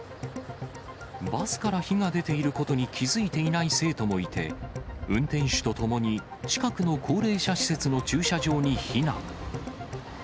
バスから火が出ていることに気付いていない生徒もいて、運転手と共に、近くの高齢者施設の駐車場に避難。